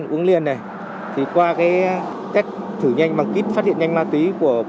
cũng sử dụng ma túy